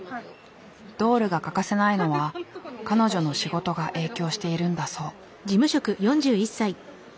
ドールが欠かせないのは彼女の仕事が影響しているんだそう。